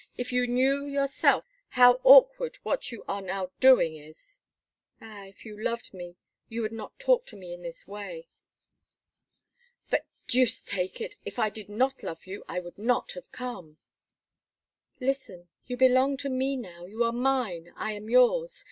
If you knew yourself how awkward what you are now doing is!" "Ah! if you loved me, you would not talk to me in this way." "But, deuce take it! if I did not love you, I would not have come." "Listen. You belong to me now. You are mine; I am yours.